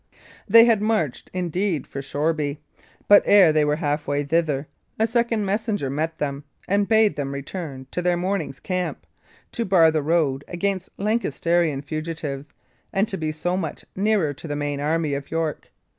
They had marched, indeed, for Shoreby; but ere they were half way thither, a second messenger met them, and bade them return to their morning's camp, to bar the road against Lancastrian fugitives, and to be so much nearer to the main army of York.